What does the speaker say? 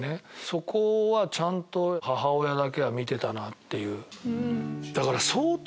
そこはちゃんと母親だけは見てたなっていう。